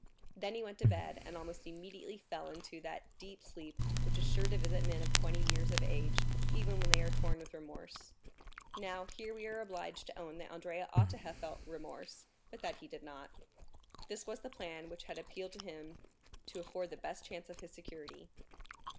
Then he went to bed and almost immediately fell into that deep sleep which is sure to visit men of twenty years of age, even when they are torn with remorse. Now, here we are obliged to own that Andrea ought to have felt remorse, but that he did not. This was the plan which had appealed to him to afford the best chance of his security.